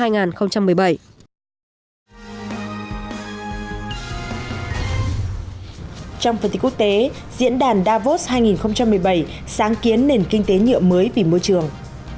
trong phần tin quốc tế diễn đàn davos hai nghìn một mươi bảy sáng kiến nền kinh tế nhựa mới vì môi trường